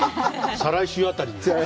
再来週あたりに。